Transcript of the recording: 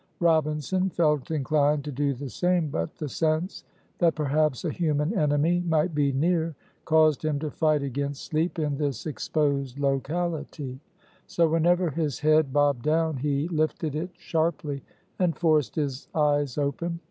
Robinson felt inclined to do the same, but the sense that perhaps a human enemy might be near caused him to fight against sleep in this exposed locality; so, whenever his head bobbed down, he lifted it sharply and forced his eyes open.